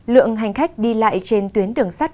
lượng hành khách đi lại trên tuyến đường sát